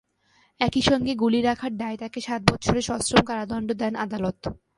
একই সঙ্গে গুলি রাখার দায়ে তাঁকে সাত বছরের সশ্রম কারাদণ্ড দেন আদালত।